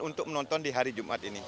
untuk menonton di hari jumat ini